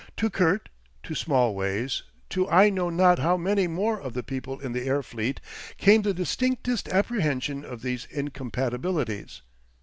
To Kurt, to Smallways, to I know not how many more of the people in the air fleet came the distinctest apprehension of these incompatibilities.